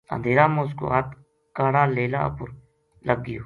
اندھیرا ما اس کو ہتھ کاڑا لیلا اپر لگ گیو